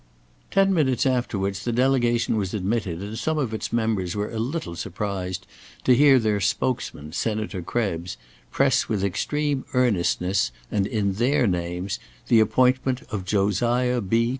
Ten minutes afterwards the delegation was admitted, and some of its members were a little surprised to hear their spokesman, Senator Krebs, press with extreme earnestness and in their names, the appointment of Josiah B.